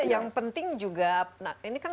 yang penting juga nah ini kan